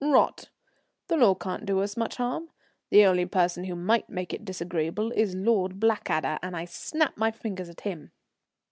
"Rot! The law can't do us much harm. The only person who might make it disagreeable is Lord Blackadder, and I snap my fingers at him."